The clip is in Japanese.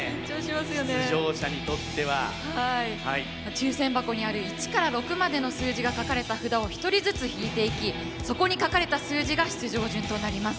抽選箱にある１から６までの数字が書かれた札を１人ずつ引いていきそこに書かれた数字が出場順となります。